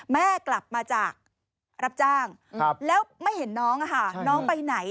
แม่กลับมาจากรับจ้างแล้วไม่เห็นน้องน้องไปไหน